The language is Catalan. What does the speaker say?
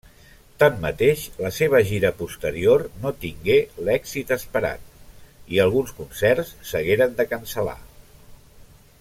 Tanmateix la seva gira posterior no tingué l'èxit esperat i alguns concerts s'hagueren de cancel·lar.